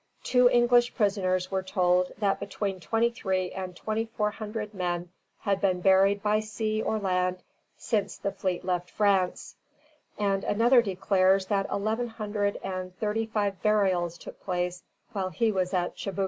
Two English prisoners were told that between twenty three and twenty four hundred men had been buried by sea or land since the fleet left France; and another declares that eleven hundred and thirty five burials took place while he was at Chibucto.